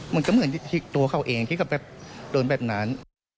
มันก็เหมือนที่ตัวเขาเองที่เขาแบบโดนแบบนั้น